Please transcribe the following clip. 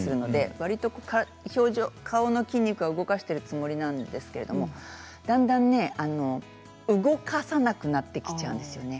わりと顔の筋肉は動かしているつもりなんですけれどもだんだん動かさなくなってきちゃうんですよね。